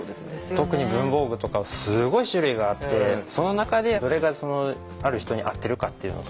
特に文房具とかすごい種類があってその中でどれがある人に合ってるかっていうのとかね